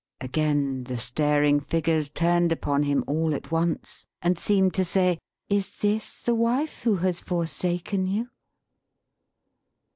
Again the staring figures turned upon him all at once, and seemed to say "Is this the wife who has forsaken you!"